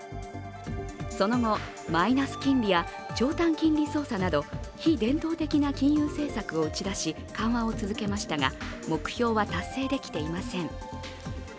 その後、マイナス金利や長短金利操作など非伝統的な金融政策を打ち出し緩和を続けましたが目標は達成できていません。